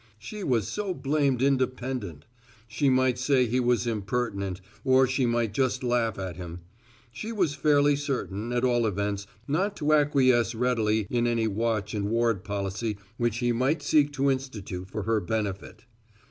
She was so blamed independent. She might say he was impertinent, or she might just laugh at him. She was fairly certain, at all events, not to acquiesce readily in any watch and ward policy which he might seek to institute for her benefit.